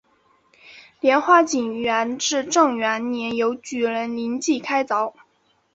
莲花井于元至正元年由举人林济开凿。